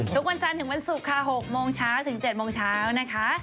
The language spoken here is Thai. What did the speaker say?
ทุกวันจันทร์ถึงวันศุกร์ค่ะ๖โมงเช้าถึง๗โมงเช้านะคะ